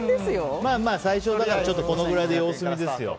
最初だからこれぐらいで様子見ですよ。